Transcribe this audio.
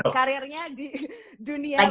karirnya di dunia